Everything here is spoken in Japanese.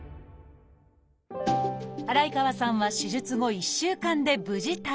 祓川さんは手術後１週間で無事退院。